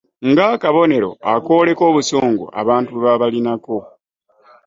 Ng'akabonero akooleka obusungu abantu bwe babalinako.